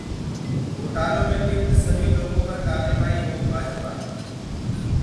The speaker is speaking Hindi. घोटालों में लिप्त सभी लोगों पर कार्रवाई हो: भाजपा